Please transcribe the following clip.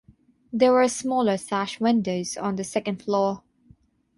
There were smaller sash windows on the second floor.